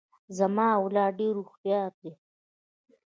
زما اولاد ډیر هوښیار دي.